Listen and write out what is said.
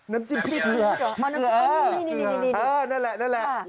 น้ำจิ้มพริกเหลือน้ำจิ้มพริกเหลือนั่นแหละ